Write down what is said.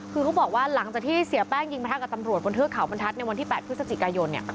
คือเขาบอกว่าหลังจากที่เสียแป้งยิงประทะกับตำรวจบนเทือกเขาบรรทัศน์ในวันที่๘พฤศจิกายน